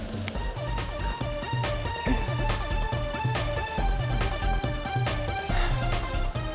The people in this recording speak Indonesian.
ya gak cantik